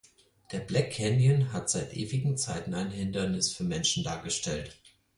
Der Black Canyon hat seit ewigen Zeiten ein Hindernis für Menschen dargestellt.